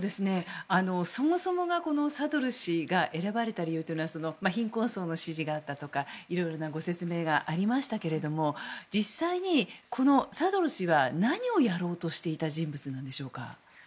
そもそもがサドル師が選ばれた理由は貧困層の支持があったとかいろいろなご説明がありましたが実際、サドル師は何をやろうとしていた人物なんでしょうか？